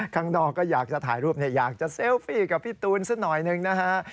ข้างนอกก็อยากจะถ่ายรูปอยากจะเซลฟี่กับพี่ตูนสักหน่อยหนึ่งนะฮะ